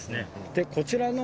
でこちらの